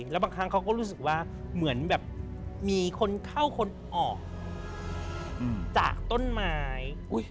แล้วบางครั้งเขาก็รู้สึกว่าเหมือนแบบมีคนเข้าคนออกจากต้นไม้